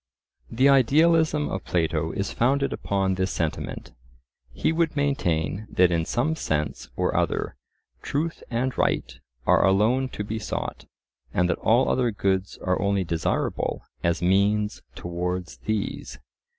The idealism of Plato is founded upon this sentiment. He would maintain that in some sense or other truth and right are alone to be sought, and that all other goods are only desirable as means towards these.